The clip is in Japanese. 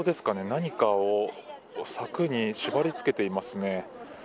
何かを柵に縛りつけていますね。